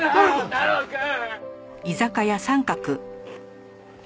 太郎くん！